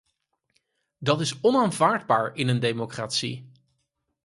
Dat is onaanvaardbaar in een democratie!